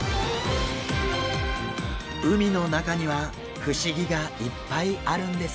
海の中には不思議がいっぱいあるんですね。